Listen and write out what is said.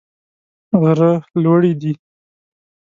غره لوړي دي.